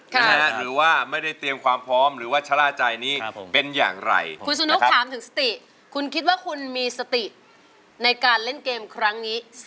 ครูศนุเขาเป็นสไตล์เดินแกล่ง